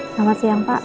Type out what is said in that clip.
selamat siang pak